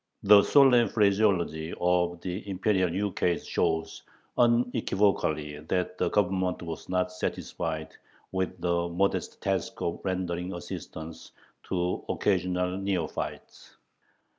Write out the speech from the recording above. The solemn phraseology of the Imperial ukase shows unequivocally that the Government was not satisfied with the modest task of rendering assistance to occasional neophytes.